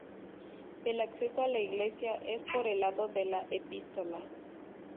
El acceso a la iglesia es por el lado de la epístola.